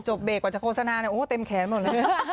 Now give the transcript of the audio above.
เบรกกว่าจะโฆษณาเนี่ยโอ้เต็มแขนหมดเลย